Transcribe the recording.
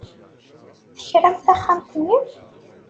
Tekram taxxamt-nni?